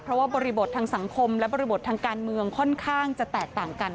เพราะว่าบริบททางสังคมและบริบททางการเมืองค่อนข้างจะแตกต่างกัน